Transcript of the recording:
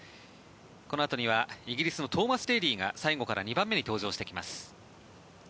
このあとにはイギリスのトーマス・デーリーが最後から２番目に登場してきます。